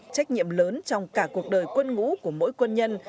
trách nhiệm lớn trong cả cuộc đời quân ngũ của mỗi quân nhân